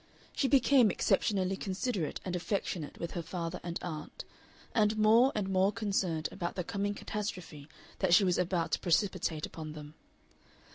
She became exceptionally considerate and affectionate with her father and aunt, and more and more concerned about the coming catastrophe that she was about to precipitate upon them.